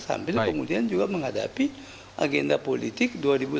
sambil kemudian juga menghadapi agenda politik dua ribu dua puluh